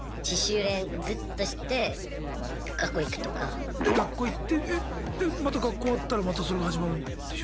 で学校行ってえっでまた学校終わったらまたそれが始まるんでしょ？